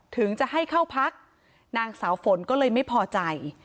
ถึงจะให้เข้าพักนางสาวฝนก็เลยไม่พอใจ